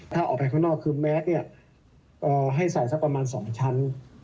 ถ้าออกไปข้างนอกคือแมสเนี่ยให้ใส่สักประมาณ๒ชั้น